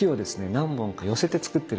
何本か寄せてつくってる。